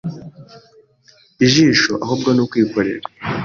ijisho ahubwo ni ukwikorera